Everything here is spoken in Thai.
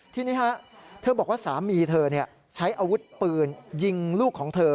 ทีนี้เธอบอกว่าสามีเธอใช้อาวุธปืนยิงลูกของเธอ